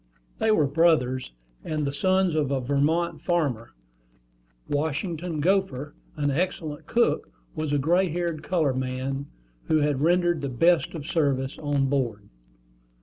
They were brothers, and the sons of a Vermont farmer. Washington Gopher, an excellent cook, was a gray haired colored man, who had rendered the best of service on board.